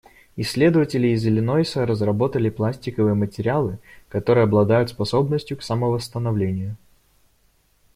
Исследователи из Иллинойса разработали пластиковые материалы, которые обладают способностью к самовосстановлению.